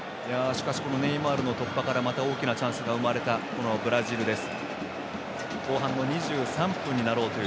しかし、ネイマールの突破からまた大きなチャンスが生まれたブラジルです。